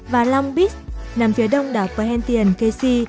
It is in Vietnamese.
và long beach nằm phía đông đảo perhentian kesi